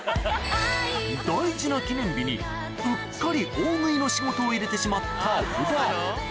大事な記念日にうっかり大食いの仕事を入れてしまった織田